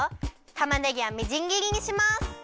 たまねぎはみじんぎりにします。